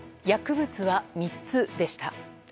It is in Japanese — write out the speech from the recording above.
薬物は３つでした。